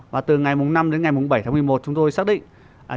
và từ ngày năm đến ngày bảy tháng một mươi một chúng tôi xác định là mưa to